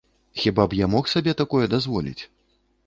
Хіба б я мог сабе такое дазволіць?